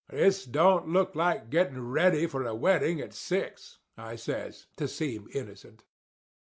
"This don't look like getting ready for a wedding at six," I says, to seem innocent.